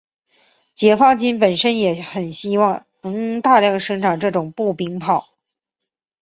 解放军本身也很希望能大量生产这种步兵炮。